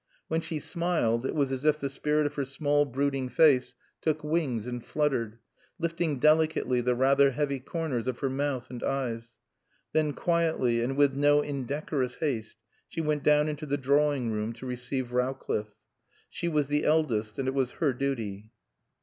When she smiled it was as if the spirit of her small brooding face took wings and fluttered, lifting delicately the rather heavy corners of her mouth and eyes. Then, quietly, and with no indecorous haste, she went down into the drawing room to receive Rowcliffe. She was the eldest and it was her duty.